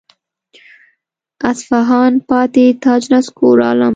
اصفهان پاتې تاج نسکور عالمه.